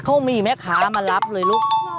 เขามีแม่ค้ามารับเลยลูก